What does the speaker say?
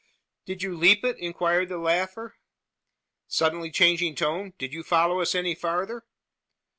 "Did you leap it?" inquired the laugher, suddenly changing tone. "Did you follow us any farther?"